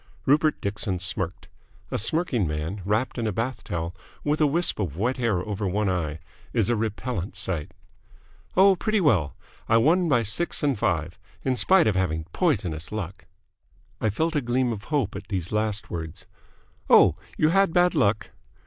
Rupert Dixon smirked. A smirking man, wrapped in a bath towel, with a wisp of wet hair over one eye, is a repellent sight. "Oh, pretty well. I won by six and five. In spite of having poisonous luck." I felt a gleam of hope at these last words. "Oh, you had bad luck?"